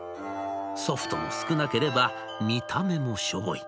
ソフトも少なければ見た目もしょぼい。